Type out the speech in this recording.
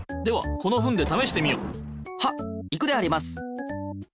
はっいくであります！